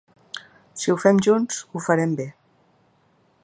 Si ho fem junts, ho farem bé.